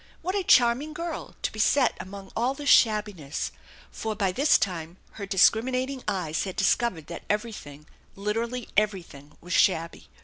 What a charming girl to be set among all this shabbiness ! For by this time her discriminat ing eyes had discovered that everything literally everything was shabby.